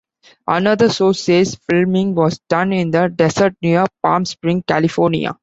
Another source says filming was done in the desert near Palm Springs, California.